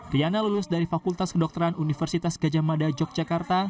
riana lulus dari fakultas kedokteran universitas gajah mada yogyakarta